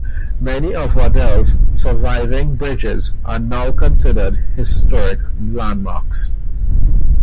Many of Waddell's surviving bridges are now considered historic landmarks.